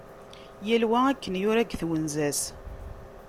Yal wa akken yura deg twenza-s.